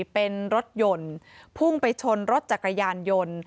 เป็นรถยนต์พุ่งไปชนรถจักรยานยนต์